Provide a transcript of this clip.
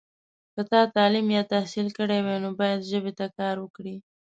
که تا تعلیم یا تحصیل کړی وي، نو باید ژبې ته کار وکړې.